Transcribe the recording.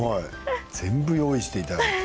全部、用意していただいて。